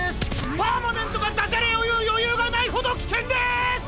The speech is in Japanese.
パーマネントがダジャレをいうよゆうがないほどきけんです！